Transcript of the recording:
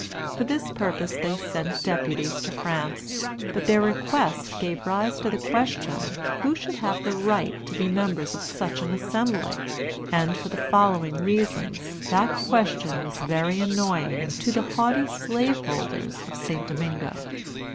For this purpose they sent deputies to France. But their request gave rise to the question who should have the right to be members of such an Assembly; and, for the following reasons, that question was very annoying to the haughty slaveholders of St. Domingo.